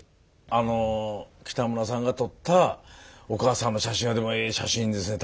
あの北村さんが撮ったお母さんの写真はでもええ写真ですね